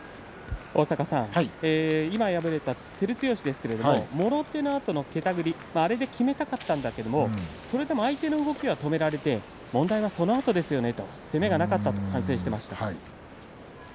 今敗れた照強ですがもろ手のあとのけたぐり、あれできめたかったんだけどもそれも相手の動きを止められて問題はそのあとですよねと攻めがなかったと反省していました。